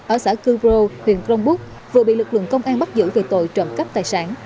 ở xã cư vô huyện cronbuc vừa bị lực lượng công an bắt giữ về tội trộm cắp tài sản